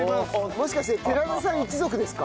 もしかして寺田さん一族ですか？